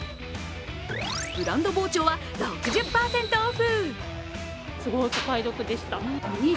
ブランド包丁は６０％オフ。